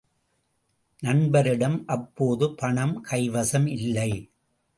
நண்பரிடம் அப்போது பணம் கைவசம் இல்லை.